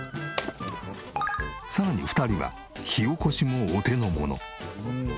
さらに２人は火おこしもお手のもの。